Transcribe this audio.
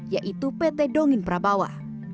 yaitu pt dongin prabawa